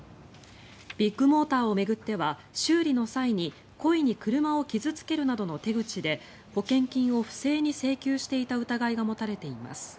ビッグモーターを巡っては修理の際に故意に車を傷付けるなどの手口で保険金を不正に請求していた疑いが持たれています。